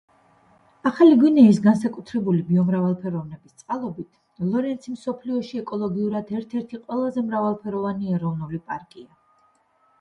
ახალი გვინეის განსაკუთრებული ბიომრავალფეროვნების წყალობით, ლორენცი მსოფლიოში ეკოლოგიურად ერთ-ერთი ყველაზე მრავალფეროვანი ეროვნული პარკია.